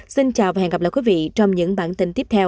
xin chào và hẹn gặp lại quý vị trong những bản tin tiếp theo